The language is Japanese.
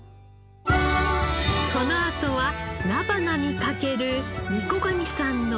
このあとは菜花にかける御子神さんの奮闘物語。